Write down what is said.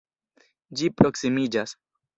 Ĝi proksimiĝas.